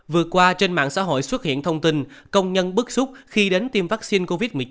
vừa qua trên mạng xã hội xuất hiện thông tin công nhân bức xúc khi đến tiêm vaccine covid một mươi chín